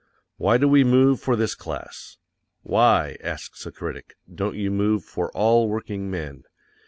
Why do we move for this class? "Why," asks a critic, "_don't you move FOR ALL WORKINGMEN?"